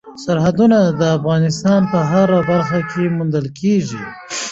سرحدونه د افغانستان په هره برخه کې موندل کېږي.